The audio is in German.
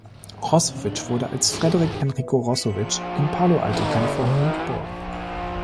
Rossowitsch wurde als Frederic Enrico Rossowitsch in Palo Alto, Kalifornien, geboren.